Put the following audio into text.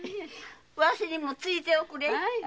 わしにもついでおくれ。